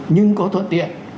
nhưng có thuận tiện